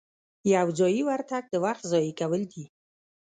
یو ځایي ورتګ د وخت ضایع کول دي.